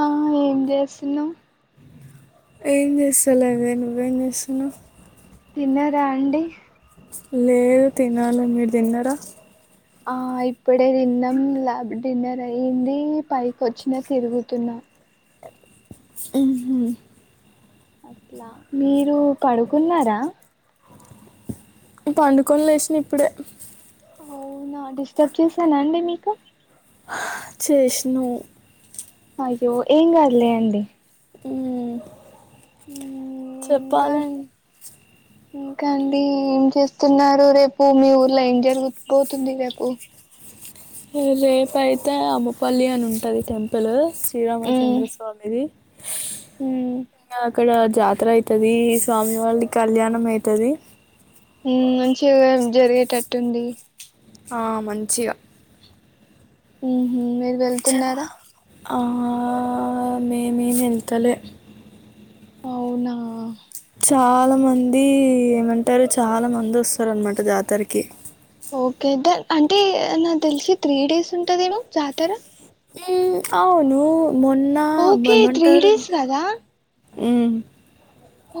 ఆ ఏం చేస్తున్నవు ఏం చేస్తాలనే నువ్వేం చేస్తున్నవు తిన్నరా అండి లేదు తినాల మీరు తిన్నరా ఆ ఇప్పుడే తిన్నాం ల డిన్నర్ అయ్యింది పైకి వచ్చినా తిరుగుతున్నా అట్లా మీరు పడుకున్నారా పండుకోని లేషిన ఇప్పుడే అవునా డిస్టర్బ్ చేసానా అండి మీకు చేసినవు అయ్యో ఏం కాదు లే అండి మ్మ్. ఇంకా చెప్పాలి ఇంకా అండి ఏం చేస్తున్నారు రేపు మీ ఊర్లో ఏం జరుగు పోతుంది రేపు రేపు అయితే అమ్మపల్లి అని ఉంటది టెంపుల్ మ్మ్ శ్రీరామచంద్ర స్వామిది మ్మ్ నాకు ఇక్కడ జాతర అయితది స్వామి వాళ్ళ కళ్యాణం అయితది మంచిగా జరిగేటట్టుంది ఆ మంచిగా ఊహ్మ్ మీరు వెళ్తున్నార ఆ మేమే వెళ్తలే అవునా చాలా మంది ఏమంటారు చాలా మంది వస్తారు అనమాట జాతరకి ఓకే ద అంటే నాకు తెలిసి త్రీ డేస్ ఉంటదేమో జాతర ఊమ్ అవును మొన్నా ఓకే త్రీ మమంటరు డేస్ కదా ఉమ్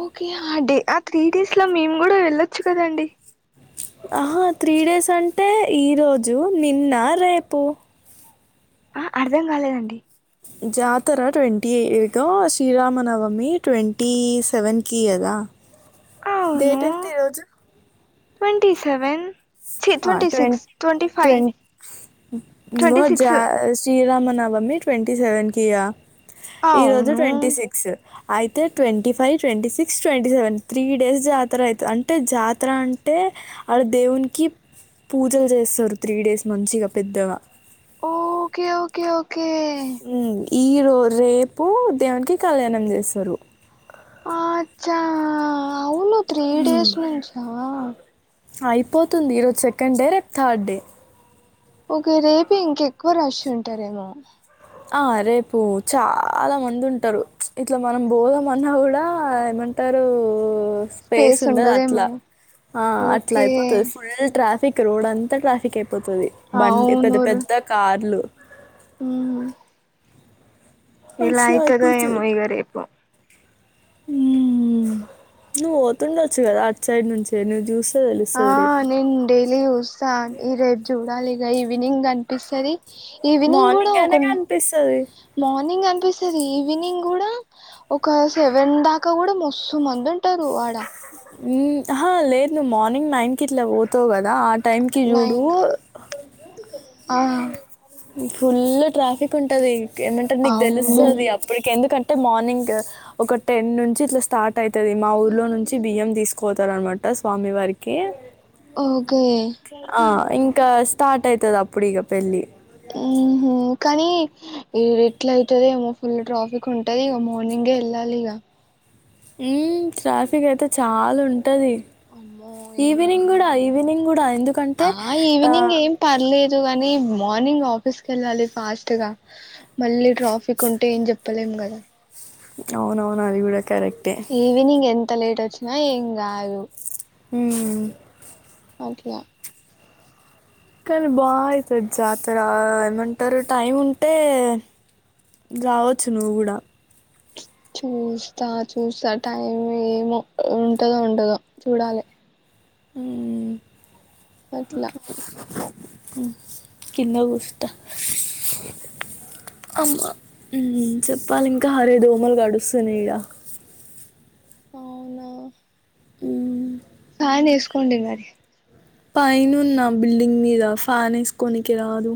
ఓకే ఆ డే ఆ త్రీ డేస్ లో మేము గూడా ఎళ్ళొచ్చు కదండి ఆహా త్రీ డేస్ అంటే ఈ రోజు నిన్న రేపు ఆ అర్ధం కాలేదండి జాతర twenty eight Srirama Navami twenty seven కి గదా అ [inaudible] డేట్ ఎంత ఈ రోజు ట్వంటీ సెవెన్ చి ఆ twenty twenty six twenty five twenty ఇంగో ట్వంటీ సిక్స్ జా శ్రీరామ నవమి ట్వంటీ సెవెన్ కి గా ఈ రోజు అవును ట్వంటీ సిక్సు అయితే twenty five twenty six twenty seven three days జాతర ఐతది అంటే జాతర అం టే ఆడ దేవునికి పూజలు జేస్తరు త్రీ డేస్ మంచిగా పెద్దగా ఓకే ఓకే ఓకే ఈరో రేపు దేవునికి కళ్యాణం చేస్తారు ఆచ్చా అవును త్రీ డేస్ నుంచా అయిపోతుంది ఈరోజు సెకండ్ డే రేపు థర్డ్ డే ఒక రేపు ఇంకెక్కువ రష్ ఉంటరేమో ఆ రేపు చాలా మంది ఉంటరు ఇట్ల మనం పోదామన్నా గూడా ఏమన్ టరూ స్పేస్ ఉండది అట్లా ఆ అట్లా ఓకే అయిపోతది ఫుల్ ట్రాఫిక్ రోడ్ అంతా ట్రాఫిక్ అయిపోతది బండి పెద్ద పెద్ద కార్లు ఊమ్ ఎలా అట్లా ఐతదో ఏమో ఇగ రేపు ఊమ్ నువ్వు పొతుండచ్చు గదా అట్ సైడ్ నుంచే నువ్వు జూస్ ఆ నేను డైలీ చూస్తా ఈ రేపు చూడాలి ఇక ఈవినింగ్ కనిపిస్తది ఈవినింగ్ గూడా మార్నింగ్ అయినా ఒక కనిపిస్తది. మార్నింగ్ కనిపిస్ తది ఈవినింగ్ గూడా ఒక సెవెన్ దాకా గూడా మస్తు మంది ఉంటరు ఆడ ఉమ్ అహ లేదు నువ్వు మార్నింగ్ నైన్ కి ఇట్లా పోతావు గదా ఆ టైంకి చూడు నైన్ ఆ ఫుల్ ట్రాఫిక్ ఉంటది ఏమంటరు నీకు అవును దెలుస్తది అప్పటికి ఎందుకం టే మార్నింగ్ ఒక టెన్ నుంచి ఇట్లా స్టార్ట్ ఐతది మా ఊర్లో నుంచి బియ్యం దీసుకొ పోతారనమాట స్వామి వారికి ఓకే ఆ ఇంకా స స్టార్ట్ ఐతది అప్పుడు ఇగ పెళ్ళి ఉహు కానీ ఎట్ల అయితదో ఏమో ఫుల్ ట్రాఫిక్ ఉంటది ఇగ మార్నింగే ఎళ్ళాలి ఇగ మ్మ్ ట్రాఫిక్ అయితే చాలుంటది. అమ్మో ఏ ఈవినింగ్ మార్నింగ్ గూడా ఈవినింగ్ గూడా ఎందుకంటే ఆ లు గని మార్నింగ్ ఆఫీస్ కెళ్ళాలి ఫాస్ట్ గా మళ్ళీ ట్రాఫిక్ ఉంటే ఏం చెప్పలేం. గద అవునవును అది గూడా ఈవినింగ్ ఎంత లేటోచ్చినా ఏం గాదు. మ్మ్. ఓకే. కానీ బాగయితది జాతర ఏమంటరు టైముంటే రావచ్చు నువ్వు కూడా చూస్తా చూస్తా టైం ఏమో ఉంటదో ఉండదో చూడాలి. మ్. అట్లా కింద కుసుంట అమ్మ. మ్ చెప్పాలి ఇంకా హరే దోమలు గడుస్తునయ్ ఇడ అవునా మ్ ఫ్యాన్ వేసుకోండి మరి పైనున్న బిల్డింగ్ మీద ఫ్యానేసుకోనికి రాదు.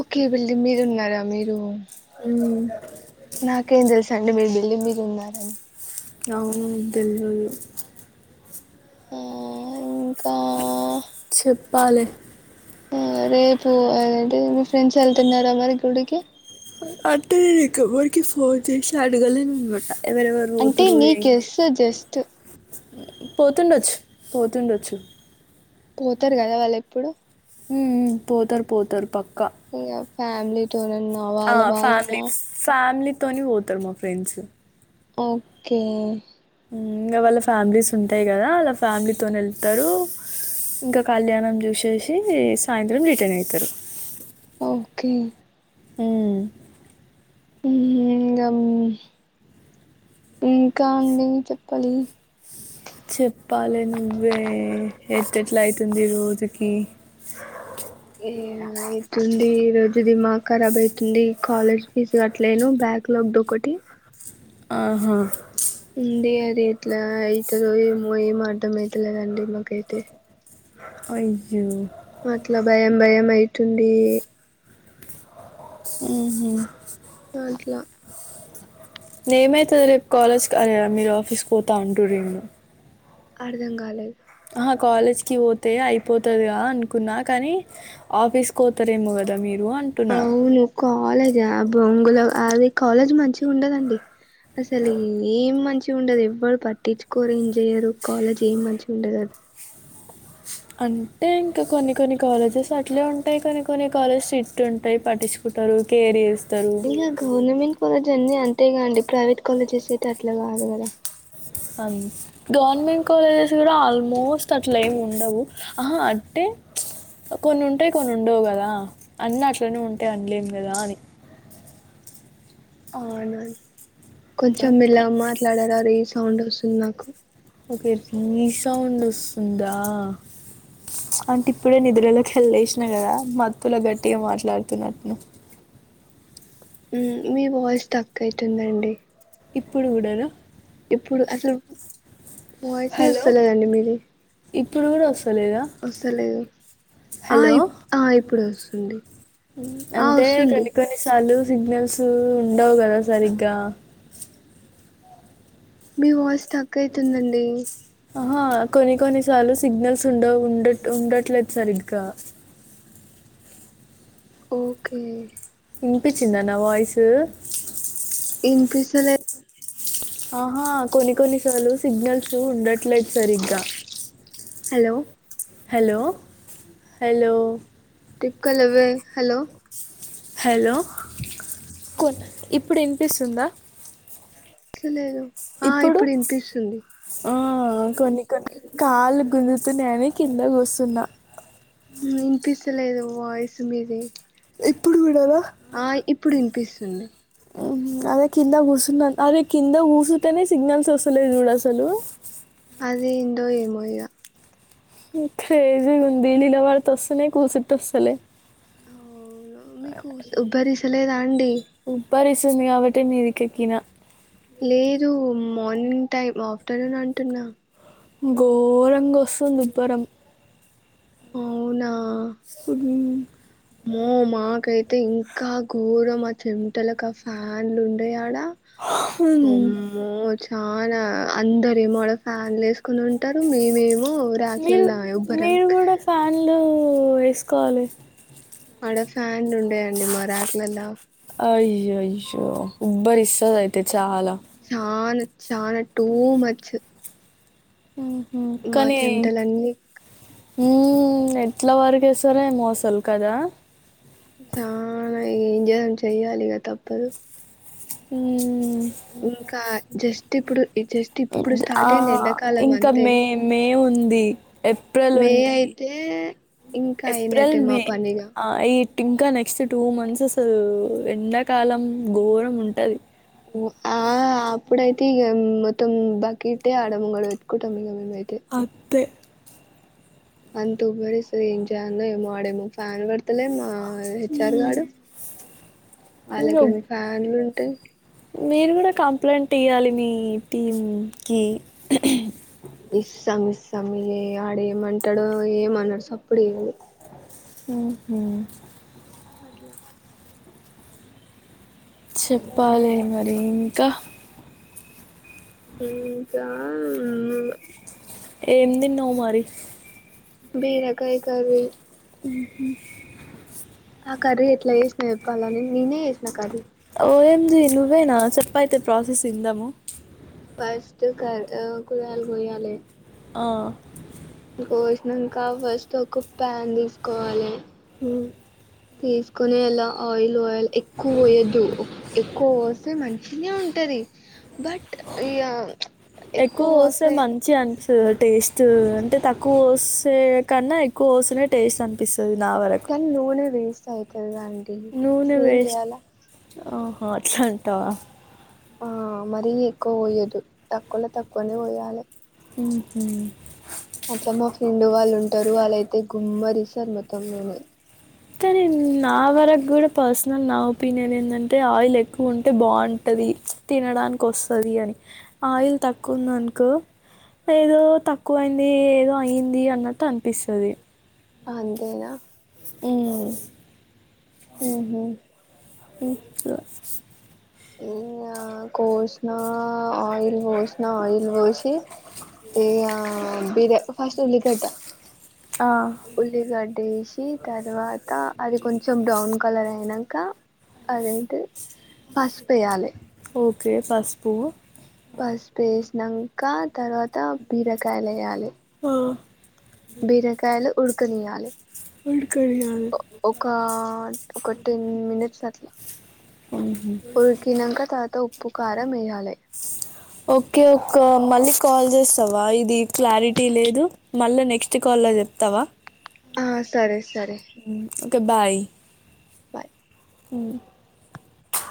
ఓకే. బిల్డింగ్ మీదున్నారా మీరు మ్. నాకేం తెలుసండి మీరు బిల్డింగ్ మీదున్నారని అవును. తెల్వదు. ఆ ఇంకా చెప్పాలి. రేపు ఏంటీ మీ ఫ్రెండ్స్ వెళ్తున్నారా మరి గుడికి అంటే మీకెవ్వర్కి ఫోన్ చేసి అడగలే అన్నమాట ఎవరేవరు అంటే పోతుర్రు నీ ఏం చేసి గెస్ జస్ట్ పోతుండొచ్చు పోతుండొచ్చు. పోతారు కదా వాళ్ళేప్పుడో మ్ పోతారు పోతారు పక్ ఇగ ఫ్యామలీ తోనన్నా వాళ్ళ వాళ్ళ వా తోని పోతారు మా ఫ్రెండ్స్ ఓకే. ఇంగ వాళ్ళ ఫ్యామిలీస్ ఉంటాయి కదా వాళ్ళ ఫ్యామిలీతోనే వెళ్తారు. ఇంకా కళ్యాణం చూసేసి సాయంత్రం రిటర్న్ అయితరు. ఓకే ఆ మ్మూ ఇంగం ఇంకా అండి చెప్పాలి. చెప్పాలి నువ్వే ఎట్టేట్లా అయితుంది రోజుకి ఏమయితుంది. రోజు దిమాక్కరాబ్ అయితుంది కాలేజ్ ఫీజు కట్లేను బ్యాక్ లాగ్ ఒకటి ఆహా అండి అది ఎట్లా అయితదో ఏమో ఏం అర్థమయితలేదండి మాకైతే అయ్యో అట్లా భయం భయం అయితుంది. మ్ హు అట్లా ఏమైతది రేపు కాలేజ్కి అర మీరు ఆఫీస్కి పోతా అంటుర్రేమొ అర్థం కాలేదు. కాలేజ్కి పోతే అయిపోతదిగా అనుకున్నా కానీ ఆఫీస్కి పోతారేమో కదా మీరు అంటున్నా. అవును కాలేజా బొంగ్. గదో అది కాలేజ్ మంచి ఉండదండి అసలు ఏం మంచి ఉండదు ఎవ్వడు పట్ పట్టించుకోరు ఏం చేయ్యరు కాలేజ్ ఏం మంచిగుండదది అంటే ఇంకా కొన్ని కొన్ని కాలేజెస్ అట్లే ఉంటాయి కొన్ని కొన్ని కాలేజెస్ స్ట్రిట్ ఉంటాయి పటించుకు టారు కేరీస్ ఇక గవర్నమెంట్ కాలేజ్ అన్నీ అంతేగా అండి ప్రైవేట్ కాలేజెస్ అయితే అట్లా కాదు కదా అమ్ గవర్నమెంట్ కాలజెస్ కూడా ఆల్మోస్ట్ అట్ల ఏం ఉండవు అంటే కొన్ని ప్చ్ ఉంటాయి కొన్ని ఉండవు కదా అన్న అట్లనే ఉంటాయి అన్లేం కదా అని అవున అది కొంచెం మెల్ల అట్లా మాట్లాడార రీ సౌండ్ వస్తుంది నాకు ఓకే రీ సౌండ్ వస్తుందా అంటే ఇప్పుడే నిదురలకెళ్ళి లేసిన కదా మత్తుల గట్టిగా మాట్లాడుతున్నట్టున ఊ మీ వాయిస్ తక్ ఐతుందండి ఇప్పుడు కూడా నా ఇప్పుడు అసలు వాయిస్ ఏ హలో వసలేదండి మీది ఇప్పుడు కూడా వస్తలేదా వసలేదు ఆ హలో ఇప్ ఆ ఇప్పుడు వస్తుంది ఆ అంటే వస్తుంది కొన్ని కొన్నిసార్లు సిగ్నల్స్ ఉండవు కదా సరిగ్గా మీ వాయిస్ తక్ అయితుందండి ఆహా కొన్ని కొన్ని సార్లు సిగ్నల్స్ ఉండవ్ ఉండ ఉండట్లేదు సరిగా ఓకే వినిపిచింద నా వాయిసు ఇన్పిసలెద్ ఆహా కొన్ని కొన్నిసార్లు సిగ్నల్స్ ఉండట్లేదు సరిగ్గా హలో హలో హలో ట్రిప్కాలెవె హలో హలో కొన్ ఇప్పుడు ఇనిపిసుందా అసలేదు ఆ ఇప్పుడు వినిపిస్తుంది ఆ, కొన్ని కొన్ని కాళ్లు గుంజుతున్నయని కింద కూసున్న వినిపిసలేదు వాయిసు మీది ఇప్పుడు కూడానా ఆ ఇప్పుడు ఇన్ పిస్తుంది ఊ అదే కింద గూసున్న అరె కింద గూసున్న సిగ్నల్స్ అసలేదు చూడసలు పయ ఉహ్హ్ క్రెజీ గుంది నిలవడితే వస్తున్నయ్ కూసుంటే ఒస్తలే అవును మీకు ఉబ్బరిస్తలేదా అండి ఉబ్బరిస్తుంది కాబట్టే మీదికెకినా లేదు మార్నింగ్ టైం ఆఫ్టర్నూన్ అంటున్నా ఘోరంగా వసుంది ఉబ్బరం అవునా కుడు మో మాకైతే ఇంకా ఘోరం ఆ చెంటలకు ఆ ఫ్యాన్లు ఉండయ్ ఆడ అ అమ్మో చు చాలా అందర ఏమో ఆడ ఫ్యాన్లు వేసుకుని ఉంటరు మేమేమో మీరు ర్యాక్లలా ఎవ్వరం మీరు కూడా ఫ్యాన్లు వేసుకోవాలి ఆడ ఫ్యాన్లు ఉండయండి మ రాక్ లలా అయ్యయ్యో ఉబరిస్సాదయ్తె చాన చాన టూ మచు ఊహు కనీ చెమటలన్నీ ఊ ఎట్ల వరకేసారే ఏమో అసలు కదా ఆ హ [unintelligible] చెయ్యాలిగ తప్పదు ఇంకా జస్ట్ ఇప్పుడు జస్ట్ ఇప్పుడు మ్ స్టార్ట్ ఆ అయింది ఎండాకాలం ఇంక అంతే మే మే ము ఉంది ఏప్రెల్ మే ఉంది అయితే ఇంకా అయినట్టే ఎప్రెల్ మా మే పనిగా అ యి ఇంకా నెక్స్ట్ టూ మంత్స్ అసలు ఎండా కాలం ఘోరం ఉంటది ఇప్పుడైతే ఇక మొత్తం బాకిట్టే ఆడముంగడు ఎత్టుకుంటాం ఇక అత్తె అంతూపరిస్త ఏమ్ చేయాల్నో ఆడేమో ఫ్యాన్ అతలే మా హెచ్ఆర్ గాడు ఇంగ వాళ్ళకేమో ఫ్యాన్లు ఉంటాయి మీరు కూడ కంప్లైంట్ ఇయ్యాలి మీ టీమ్కి ఇస్తాం ఇస్తాం ఇ ఆడేమంటాడుో ఏమన్నా సప్పుడు చేయడు ఊహు అట్లా చెప్పాలె మరి ఇంకా ఇంకా మ్ ఏం తిన్నావ్ మరి బీరకాయ్ కర్రీ ఉహు ఆ కర్రీ ఎట్ల చేసినా చెప్పాలని నేనే చేసిన కర్రీ ఎంది నువ్వేనా చెప్పయితే ప్రాసెస్ ఇందాము ఫస్ట్ కర్ అ కూరగాయలు కొయ్యాలె ఆ కోసినాంక ఫస్ట్ ఒక ప్యాన్ తీసుకోవాలి తీసుకొని ఎలా ఆయిల్ పాయల్ ఎక్కువ కోయొద్దు ఎక్కువ పోస్తె మంచిినే ఉంటది బట్ ఇగ ఎక్కువ కోస్తే మంచి అం టేస్ట్ అంటే తక్కువ వస్తే కన్నా ఎక్కువ పోసిన టేస్ట్ అనిపిస్ కన్ నూనె వేస్ట్ అయితది కదా నూనె వేస్ట్ ఆహా అట్ల అంటావ ఆ మరిీ ఎక్కువ పోయదు తక్కువలో తక్కువనే పోయాలె ఊహు అట్ల మా ఫ్రెండ్ వాళ్ళుంటారు వాళ్లైతే గుమ్మరి ఇస్తారు మొత్తం నూనె కానీ నా వరకు కూడ పర్సనల్ నా ఒపీనియన్ ఏంటంటే ఆయిల్ ఎక్కువ ఉంటే బాగుంటది ది తినడానికి వస్తది అని ఆయిల్ తక్కువ ఉందనుకొ ఏదో తక్కువయింది ఏదో అయి్యంది అన్నట్టు అనిపిస్తది అంతేగ ఉమ్ ఊహు మ్ ఇంక కోషీనా ఆయిల్ పోసిన ఆయిల్ పోసి ఇగ బిరే ఫస్ట్ ఉల్లిగడ్డ ఉల్లిగడ్డేసి తర్వాత అది కొంచెం బ్రౌన్ కలర్ అయినాక అదేంటి పసుపేయాలి ఓకే పస్పు పసుపు వేసినాంక తర్వాత బీరకాయలు వేయాలి అ బీరకాయలు ఉడ్కనియా లె వాడికని కాదు ఒ ఒకా ఒక టెన్ మినిట్స్ అట్ల ఉడికినంక తర్వాత ఉప్పు కారం వేయాలె ఓకే ఒక్క మళ్ళీ కాల్ చేస్తావా ఇది క్లారిటీ లేదు మళ్ళ నెక్స్ట్ కాల్ ల చెప్తావా ఆ సరే సరే ఓకే బాయ్ బాయ్ ఊ